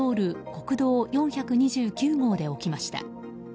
国道４２９号で起きました。